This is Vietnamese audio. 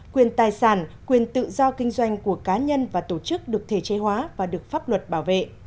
quyền tài sản quyền tự do kinh doanh của cá nhân và tổ chức được thể chế hóa và được pháp luật bảo vệ